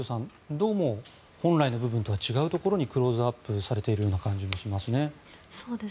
どうも本来の部分とは違う部分にクローズアップされているような感じもしますね。